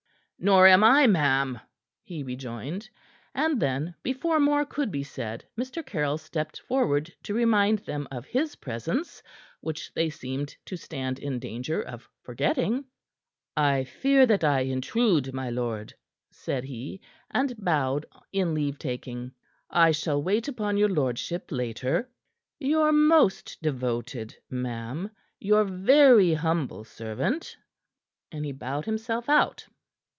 "Nor am I, ma'am," he rejoined, and then, before more could be said, Mr. Caryll stepped forward to remind them of his presence which they seemed to stand in danger of forgetting. "I fear that I intrude, my lord," said he, and bowed in leave taking. "I shall wait upon your lordship later. Your most devoted. Ma'am, your very humble servant." And he bowed himself out.